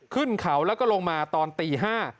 ขึ้นเขาแล้วก็ลงมาตอนตี๕